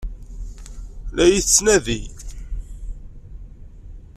La iyi-tettnadi?